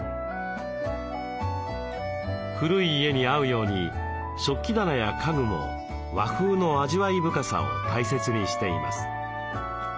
古い家に合うように食器棚や家具も和風の味わい深さを大切にしています。